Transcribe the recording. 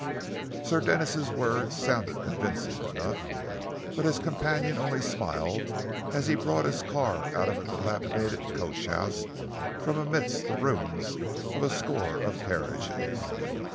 Sir Denis' words sounded convincing enough, but his companion only smiled as he brought his car out of a dilapidated coach house, from amidst the ruins of a score of carriages.